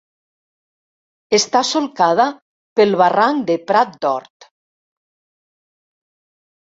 Està solcada pel barranc de Prat d'Hort.